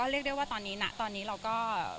ก็เรียกเรียกว่าตอนนี้นะตอนนี้เราก็